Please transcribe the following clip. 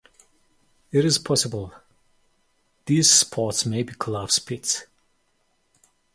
It is possible these spots may be collapse pits.